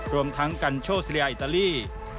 รวมทั้งกันโชซีเรียอิตาลี